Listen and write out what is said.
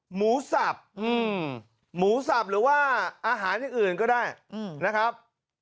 หมูสับหมูสับหรือว่าอาหารอย่างอื่นก็ได้นะครับ